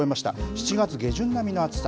７月下旬並みの暑さ。